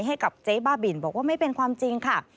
ให้กับเจ๊บ้าบินบอกว่าไม่เป็นความจริงค่ะ